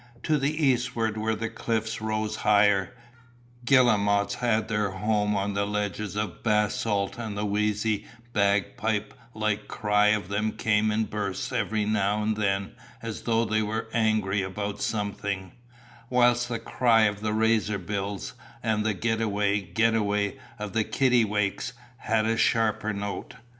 To the eastward where the cliffs rose higher, guillemots had their home on the ledges of basalt and the wheezy bagpipe like cry of them came in bursts every now and then as though they were angry about something, whilst the cry of the razorbills and the "get away, get away" of the kittiwakes had a sharper note.